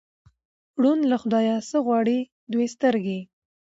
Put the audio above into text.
ـ ړوند له خدايه څه غواړي، دوې سترګې.